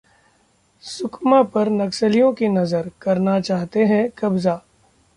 सुकमा पर नक्सलियों की नजर, करना चाहते हैं कब्जा